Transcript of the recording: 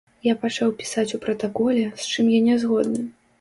Я пачаў пісаць у пратаколе, з чым я нязгодны.